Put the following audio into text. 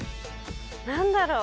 何だろう。